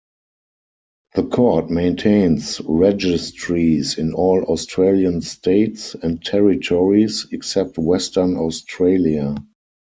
The Court maintains registries in all Australian states and territories except Western Australia.